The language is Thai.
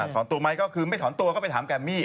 ถอนตัวไหมก็คือไม่ถอนตัวก็ไปถามแกมมี่